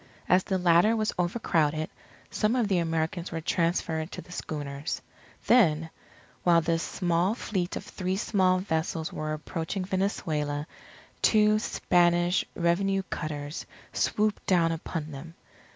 As the latter was overcrowded, some of the Americans were transferred to the schooners. Then, while this small fleet of three small vessels was approaching Venezuela, two Spanish revenue cutters swooped down upon them.